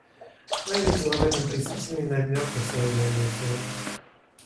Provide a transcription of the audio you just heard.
Она видела в этом презрительный намек на свои занятия.